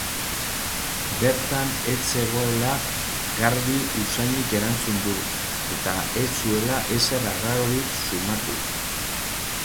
Bertan ez zegoela garbi usainik erantzun du eta ez zuela ezer arrarorik sumatu.